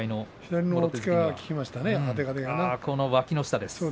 押っつけが効きましたね。